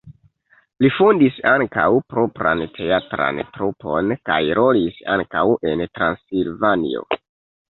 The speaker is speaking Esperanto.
Li fondis ankaŭ propran teatran trupon kaj rolis ankaŭ en Transilvanio.